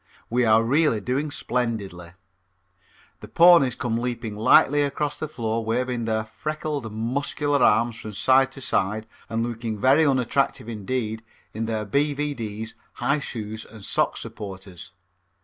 We are really doing splendidly. The ponies come leaping lightly across the floor waving their freckled, muscular arms from side to side and looking very unattractive indeed in their B.V.D.'s, high shoes and sock supporters.